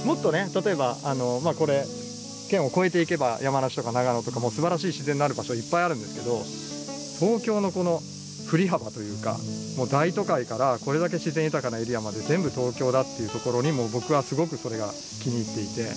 例えばこれ県を越えていけば山梨とか長野とかもすばらしい自然のある場所いっぱいあるんですけど東京のこの振り幅というか大都会からこれだけ自然豊かなエリアまで全部東京だっていうところに僕はすごくそれが気に入っていて。